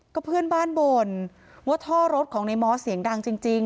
ก็เพื่อนบ้านบ่นว่าท่อรถของในมอสเสียงดังจริง